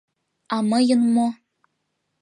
А мыйын мо?..